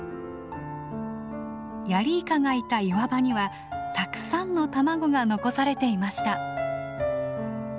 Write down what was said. ヤリイカがいた岩場にはたくさんの卵が残されていました。